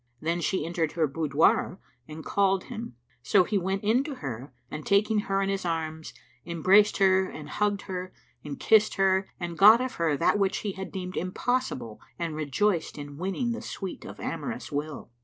Then she entered her boudoir and called him: so he went in to her and taking her in his arms, embraced her and hugged her and kissed her and got of her that which he had deemed impossible and rejoiced in winning the sweet of amorous will.